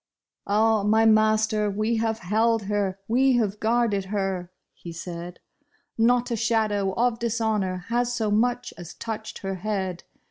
" Ah, my master, we have held her, we have guarded her," he said ;" Not a shadow of dishonor has so much as touched her head.